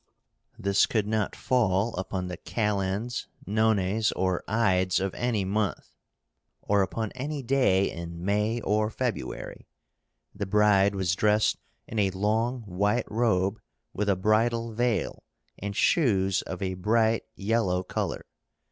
This could not fall upon the Kalends, Nones, or Ides of any month, or upon any day in May or February. The bride was dressed in a long white robe, with a bridal veil, and shoes of a bright yellow color.